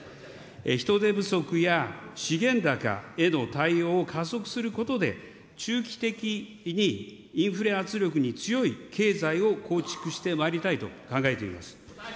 人手不足や資源高への対応を加速することで、中期的にインフレ圧力に強い経済を構築してまいりたいと考えております。